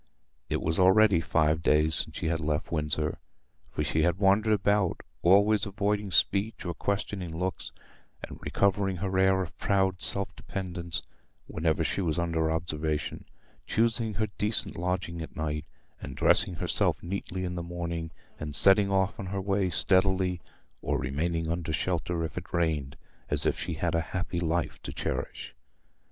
It was already five days since she had left Windsor, for she had wandered about, always avoiding speech or questioning looks, and recovering her air of proud self dependence whenever she was under observation, choosing her decent lodging at night, and dressing herself neatly in the morning, and setting off on her way steadily, or remaining under shelter if it rained, as if she had a happy life to cherish.